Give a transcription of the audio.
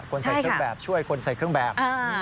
ใส่เครื่องแบบช่วยคนใส่เครื่องแบบ